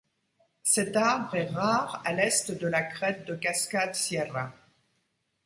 Cet arbre est rare à l'Est de la crête de Cascade-Sierra.